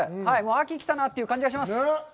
秋が来たなという感じがします、はい。